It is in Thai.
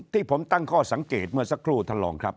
ที่ผมตั้งข้อสังเกตเมื่อสักครู่ท่านรองครับ